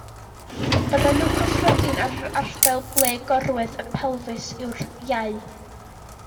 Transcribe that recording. Yr enw cyffredin ar yr ardal ble gorwedd y pelfis yw'r iau.